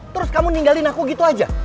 terus kamu ninggalin aku gitu aja